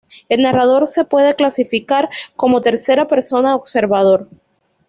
El narrador se puede clasificar como tercera persona observador.